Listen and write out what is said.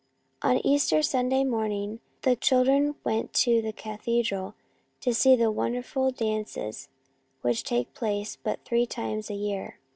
On Easter Sunday morning the children went to the cathedral to see the wonderful dances which take place but three times a year.